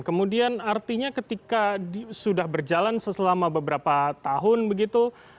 kemudian artinya ketika sudah berjalan selama beberapa tahun begitu